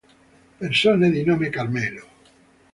Persone di nome Carmelo